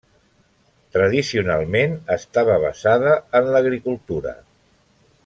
Tradicionalment estava basada en l'agricultura.